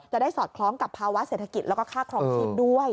สอดคล้องกับภาวะเศรษฐกิจแล้วก็ค่าครองชีพด้วย